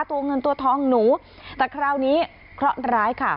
ตัวเงินตัวทองหนูแต่คราวนี้เคราะห์ร้ายค่ะ